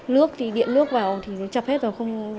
nước thì điện nước vào thì chập hết rồi